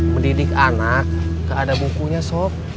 mendidik anak nggak ada bukunya sob